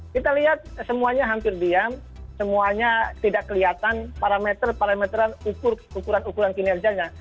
kita lihat semuanya hampir diam semuanya tidak kelihatan parameter parameteran ukuran ukuran kinerjanya